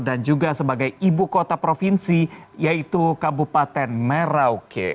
dan juga sebagai ibu kota provinsi yaitu kabupaten merauke